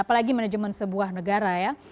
apalagi manajemen sebuah negara ya